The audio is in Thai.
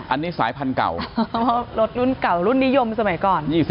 อันนี้สายพันธุ์เก่ารถรุ่นเก่ารุ่นนิยมสมัยก่อน